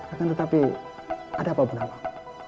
akan tetapi ada apa bunawang